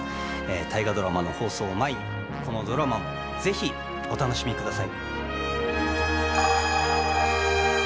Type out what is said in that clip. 大河ドラマの放送前にこのドラマもぜひお楽しみください。